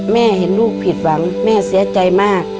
แม่เห็นลูกผิดหวังแม่เสียใจมาก